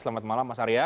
selamat malam mas arya